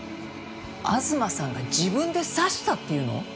東さんが自分で刺したっていうの？